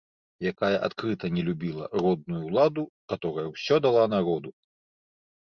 Якая адкрыта не любіла родную ўладу, каторая ўсё дала народу!